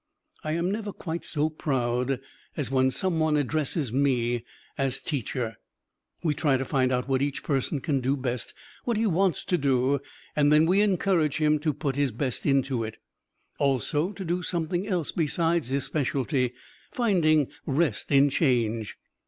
I am never quite so proud as when some one addresses me as "teacher." We try to find out what each person can do best, what he wants to do, and then we encourage him to put his best into it also to do something else besides his specialty, finding rest in change.